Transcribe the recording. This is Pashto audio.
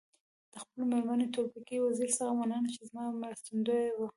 د خپلي مېرمني تورپیکۍ وزيري څخه مننه چي زما مرستندويه وه.